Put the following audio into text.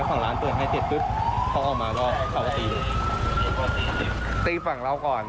พอออกมาเสร็จถึง